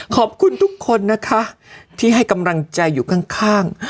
ขอบคุณทุกคนนะคะที่ให้กำลังใจอยู่ข้าง